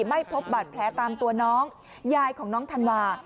ไม่พบบาดแผลตามตัวน้องยายของน้องธันวา